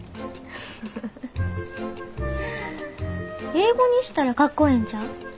英語にしたらかっこええんちゃう？